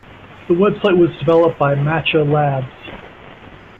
The website was developed by Matcha Labs.